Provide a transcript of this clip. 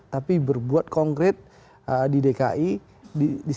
tapi berbuat konkret di dki